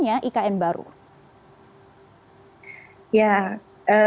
apakah ini akan menjadikannya ikn baru